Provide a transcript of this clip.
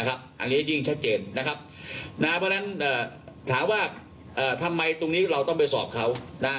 อันนี้ยิ่งชัดเจนนะครับเพราะฉะนั้นถามว่าทำไมตรงนี้เราต้องไปสอบเขานะฮะ